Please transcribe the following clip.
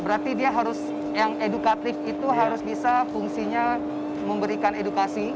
berarti dia harus yang edukatif itu harus bisa fungsinya memberikan edukasi